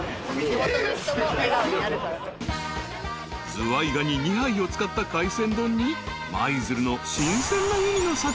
［ズワイガニ２杯を使った海鮮丼に舞鶴の新鮮な海の幸］